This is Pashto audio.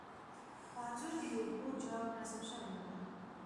په انځور کې د اوبو جام رسم شوی و.